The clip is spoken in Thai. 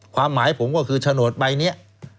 ความหมายผมก็คือโฉนดใบนี้